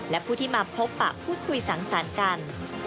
และผู้ที่มาพบปะพูดคุยสังสรรค์กัน